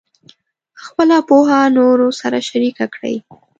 خپله پوهه نورو سره شریکه کړئ.